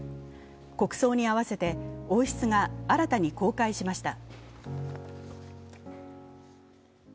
国葬に合わせて王室が新たに公開しました。